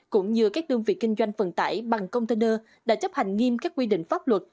cũng như các đơn vị kinh doanh vận tải bằng container đã chấp hành nghiêm các quy định pháp luật